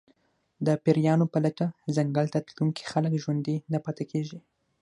د پېریانو په لټه ځنګل ته تلونکي خلک ژوندي نه پاتې کېږي.